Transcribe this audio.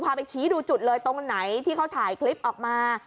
พาไปชี้ดูจุดเลยตรงไหนที่เขาถ่ายคลิปออกมา